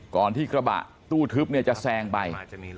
ก่อนที่กระบะตู้ทึบจะแซงไป